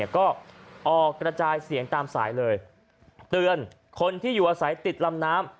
ก็ออกกระจายเสียงตามสายเลยเตือนคนที่อยู่อาศัยติดลำน้ำ